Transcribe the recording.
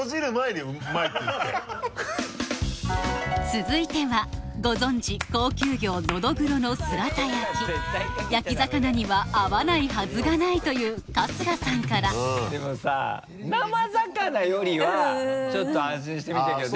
続いてはご存じ高級魚焼き魚には合わないはずがないと言う春日さんからでもさ生魚よりはちょっと安心して見てるけど。